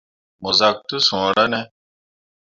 Mo zak te suura ne.